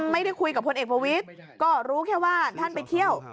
ไม่ได้คุยกับพลเอกประวิทย์ก็รู้แค่ว่าท่านไปเที่ยว